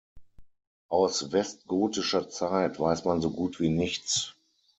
Aus westgotischer Zeit weiß man so gut wie nichts.